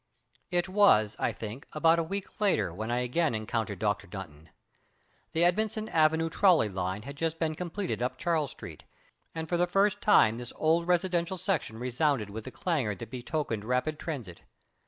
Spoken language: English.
It was, I think, about a week later when I again encountered Dr. Dunton. The Edmondson avenue trolley line had just been completed up Charles street, and for the first time this old residential section resounded with the clangor that betokened rapid transit.